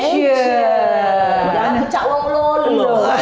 jangan kecak uang lolo